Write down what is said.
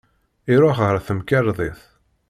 Iruḥ ɣer temkerḍit.